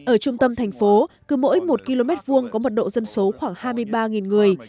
ở trung tâm thành phố cứ mỗi một km hai có mật độ dân số khoảng hai mươi ba người